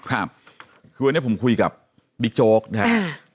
ครับคือวันนี้ผมคุยกับบิโจ๊กใช่ไหมอ่า